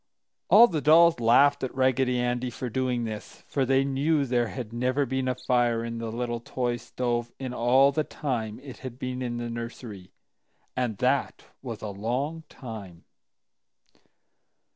All the dolls laughed at Raggedy Andy for doing this, for they knew there had never been a fire in the little toy stove in all the time it had been in the nursery. And that was a long time.